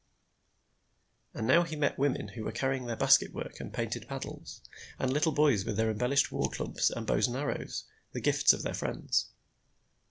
And now he met women who were carrying their basket work and painted paddles, and little boys with their embellished war clubs and bows and arrows, the gifts of their friends.